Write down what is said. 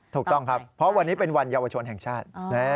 ถูกต้องครับเพราะวันนี้เป็นวันเยาวชนแห่งชาติ